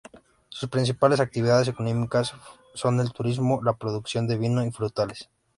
Sus principales actividades económicas son el turismo, la producción de vino y frutales.